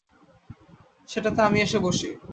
সেটাতে আমি এসে বসি।